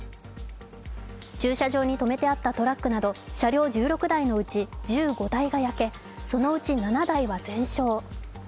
駐車場に止めてあったトラックなど車両１６台のうち１５台が焼けそのうち７台は全焼。